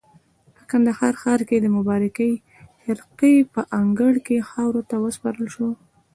په کندهار ښار کې د مبارکې خرقې په انګړ کې خاورو ته وسپارل شو.